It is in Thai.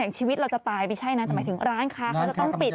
ชีวิตเราจะตายไม่ใช่นะแต่หมายถึงร้านค้าเขาจะต้องปิด